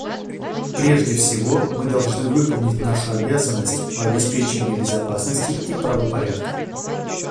Прежде всего мы должны выполнить нашу обязанность по обеспечению безопасности и правопорядка.